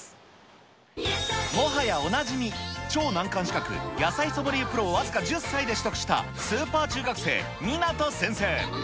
もはやおなじみ、超難関資格、野菜ソムリエプロを、僅か１０歳で取得したスーパー中学生、湊先生。